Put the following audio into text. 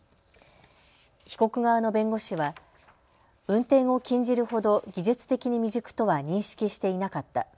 被告側の弁護士は運転を禁じるほど技術的に未熟とは認識していなかった。